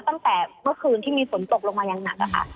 ตั้งแต่เมื่อคืนที่มีฝนตกลงมาอย่างหนักอะค่ะ